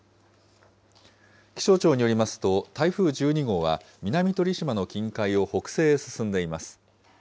気象庁によりますと、台風１２号は、南鳥島の近海を北西へ進んでいます。